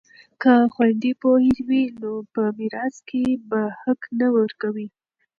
که خویندې پوهې وي نو په میراث کې به حق نه ورکوي.